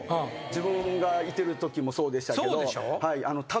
自分がいてるときもそうでしたけど。